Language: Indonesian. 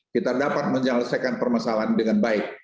kita dapat menyelesaikan permasalahan dengan baik